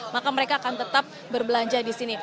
maka mereka akan tetap berbelanja di sini